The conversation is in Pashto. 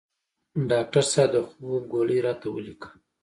ډاکټر صیب د خوب ګولۍ راته ولیکه